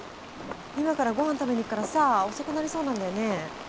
今からごはん食べにいくからさ遅くなりそうなんだよね